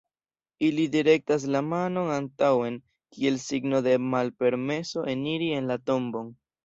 Ili direktas la manon antaŭen, kiel signo de malpermeso eniri en la tombon.